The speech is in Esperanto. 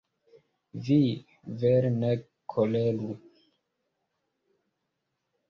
Vi, vere, ne koleru.